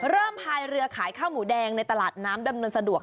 พายเรือขายข้าวหมูแดงในตลาดน้ำดำเนินสะดวก